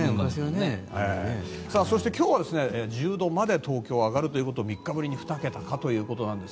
そして今日は１０度まで東京は上がるということで３日ぶりに２桁かということです。